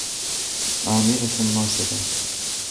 عاملة ناصبة